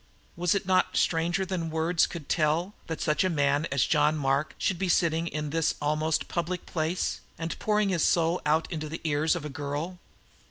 Was it not stranger than words could tell that such a man as John Mark should be sitting in this almost public place and pouring his soul out into the ear of a girl?